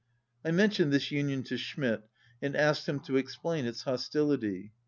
I mentioned this union to Schmidt, and asked him to explain its hostility.